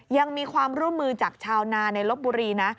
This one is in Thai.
ยังมีความร่วมมือจากชาวนาในลบบุรีนะ